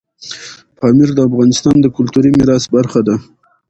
پامیر د افغانستان د کلتوري میراث برخه ده.